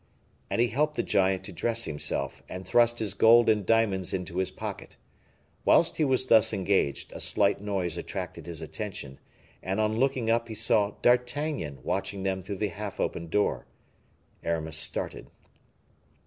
And he helped the giant to dress himself, and thrust his gold and diamonds into his pocket. Whilst he was thus engaged, a slight noise attracted his attention, and on looking up, he saw D'Artagnan watching them through the half opened door. Aramis started.